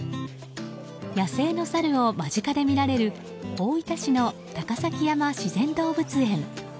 野生のサルを間近で見られる大分市の高崎山自然動物園。